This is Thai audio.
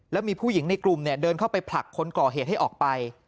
แล้วมีผู้หญิงในกลุ่มเดินเข้าไปผลักคนก่อเหตุให้ออกไป